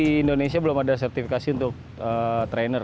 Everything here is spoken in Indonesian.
di indonesia belum ada sertifikasi untuk trainer